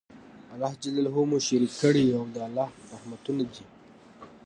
الله ج مو شريک کړی او د الله رحمتونه دي